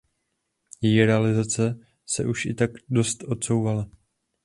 Její realizace se už i tak dost odsouvala.